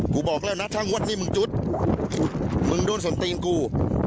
บอกแล้วนะถ้างวดนี้มึงจุดมึงโดนสนตีนกู